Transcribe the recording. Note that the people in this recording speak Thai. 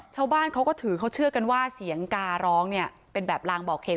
ชาวบ้านเขาก็ถือเขาเชื่อกันว่าเสียงการร้องเนี่ยเป็นแบบลางบอกเหตุ